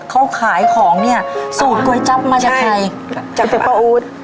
เขาขายของเนี่ยสูตรก๋วยจั๊บมาจากใครจับแต่ป้าอู๊ด